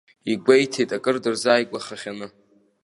Игәеиҭеит акыр дырзааигәахахьаны.